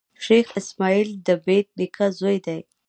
شېخ اسماعیل دبېټ نیکه زوی دﺉ.